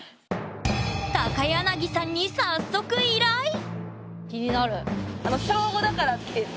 柳さんに早速依頼気になる。